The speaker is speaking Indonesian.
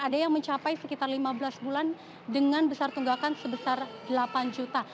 ada yang mencapai sekitar lima belas bulan dengan besar tunggakan sebesar delapan juta